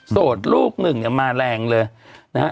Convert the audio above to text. โดดลูกหนึ่งเนี่ยมาแรงเลยนะฮะ